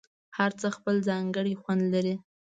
هر څه خپل ځانګړی خوند لري.